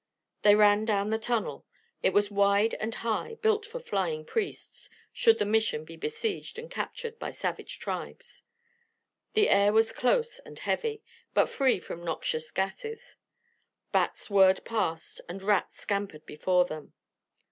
They ran down the tunnel. It was wide and high, built for flying priests, should the Mission be besieged and captured by savage tribes. The air was close and heavy, but free from noxious gases. Bats whirred past and rats scampered before them.